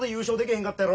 へんかったやろ。